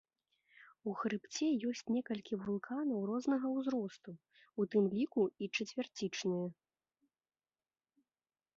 У хрыбце ёсць некалькі вулканаў рознага ўзросту, у тым ліку і чацвярцічныя.